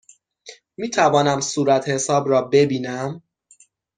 می توانم صورتحساب را ببینم؟